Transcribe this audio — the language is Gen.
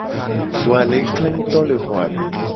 Zo a le kle nguto le xo a me.